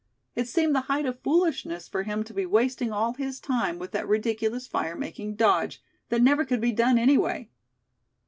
It seemed the height of foolishness for him to be wasting all his time with that ridiculous fire making dodge, that never could be done anyway.